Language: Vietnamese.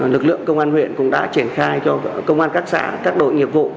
lực lượng công an huyện cũng đã triển khai cho công an các xã các đội nghiệp vụ